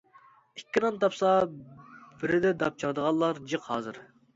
ئىككى نان تاپسا بىرىدە داپ چالىدىغانلار جىق ھازىر!